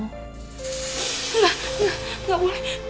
enggak enggak enggak boleh